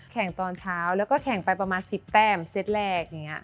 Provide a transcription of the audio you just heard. แข่งตอนเช้าแล้วก็แข่งไปประมาณ๑๐แต้มเซตแรก